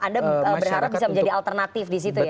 anda berharap bisa menjadi alternatif di situ ya